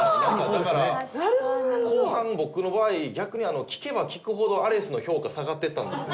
だから後半僕の場合逆に聞けば聞くほどアレスの評価下がっていったんですよ。